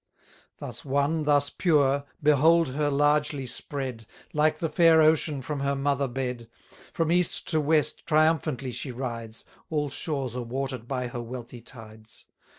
Thus one, thus pure, behold her largely spread, Like the fair ocean from her mother bed; From east to west triumphantly she rides, 550 All shores are water'd by her wealthy tides.